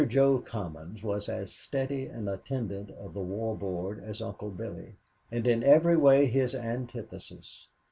Jo Commons was as steady an attendant of the War Board as Uncle Billy, and in every way his antithesis.